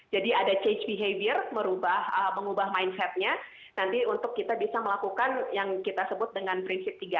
jadi ada change behavior mengubah mindsetnya nanti untuk kita bisa melakukan yang kita sebut dengan prinsip